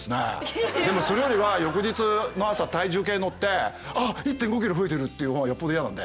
でもそれよりは翌日の朝体重計乗ってあ１．５キロ増えてるっていう方がよっぽど嫌なんで。